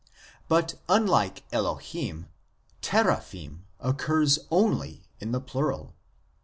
1 But unlike Elohim, Teraphim occurs only in the plural.